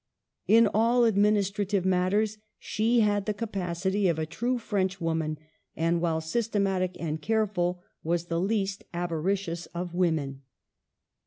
In all administrative matters she had the capacity of a true French woman, and, while systematic and careful, was the least avaricious of women.